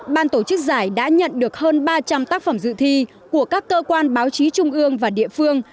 ban tổ chức giải đã nhận được hơn ba trăm linh tác phẩm dự thi của các cơ quan báo chí trung ương và địa phương